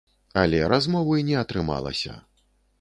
Але размовы не атрымалася.